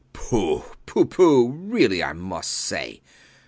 B. B. Pooh! Pooh pooh! Really, I must say.